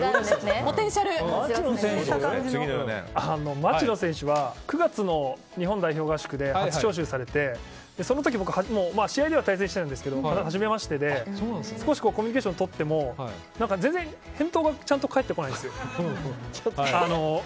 町野選手は９月の日本代表合宿で初召集されて、その時、僕試合では対戦してたんですけどはじめましてで少しコミュニケーションとっても全然、返答がちゃんと返ってこないんですよ。